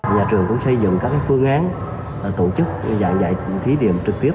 nhà trường cũng xây dựng các phương án tổ chức giảng dạy thí điểm trực tiếp